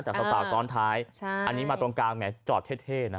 แต่สาวซ้อนท้ายอันนี้มาตรงกลางแหมจอดเท่นะ